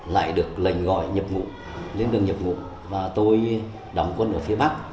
lại được lệnh gọi nhập ngũ lên đường nhập ngũ và tôi đóng quân ở phía bắc